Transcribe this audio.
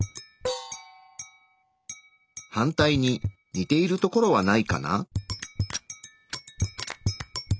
反対に似ているところはないかな？